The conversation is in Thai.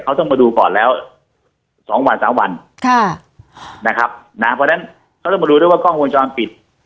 เขาต้องมาดูก่อนแล้วสองวันสามวันค่ะนะครับนะเพราะฉะนั้นเขาต้องมาดูด้วยว่ากล้องวงจรปิด